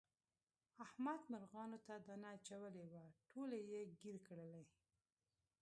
احمد مرغانو ته دانه اچولې وه ټولې یې ګیر کړلې.